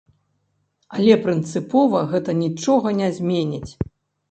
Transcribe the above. Але прынцыпова гэта нічога не зменіць.